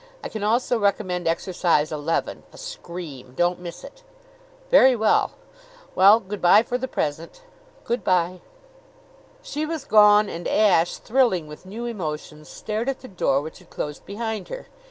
I can also recommend Exercise Eleven a scream! Don't miss it." "Very well. Well, good by for the present." "Good by." She was gone; and Ashe, thrilling with new emotions, stared at the door which had closed behind her.